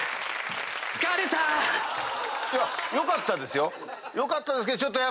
よかったですよ。よかったですけど。